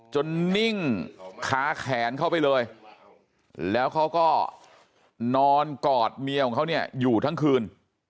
นิ่งค้าแขนเข้าไปเลยแล้วเขาก็นอนกอดเมียของเขาเนี่ยอยู่ทั้งคืน